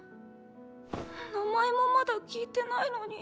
名前もまだ聞いてないのに！